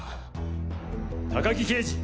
高木刑事！